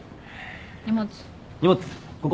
荷物ここ。